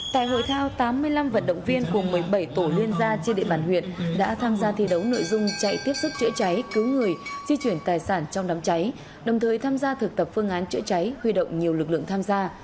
tại hội thao tám mươi năm vận động viên cùng một mươi bảy tổ liên gia trên địa bàn huyện đã tham gia thi đấu nội dung chạy tiếp sức chữa cháy cứu người di chuyển tài sản trong đám cháy đồng thời tham gia thực tập phương án chữa cháy huy động nhiều lực lượng tham gia